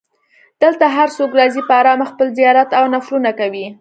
دلته هر څوک راځي په ارامه خپل زیارت او نفلونه کوي.